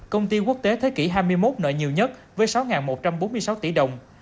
công ty quốc tế thế kỷ hai mươi một nợ nhiều nhất với sáu một trăm bốn mươi sáu tỷ đồng